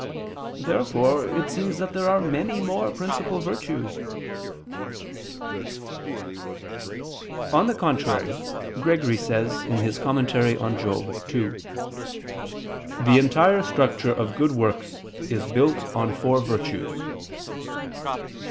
Therefore it seems that there are many more principal virtues. On the contrary, Gregory says (Moral. ii): "The entire structure of good works is built on four virtues."